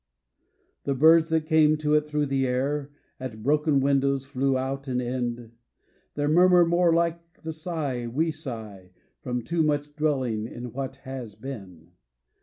The birds that came to it through the air At broken windows flew out and in. Their murmur more like the sigh we sigh From too much dwelling on what has been.